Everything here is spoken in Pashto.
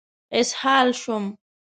اسهال شوم.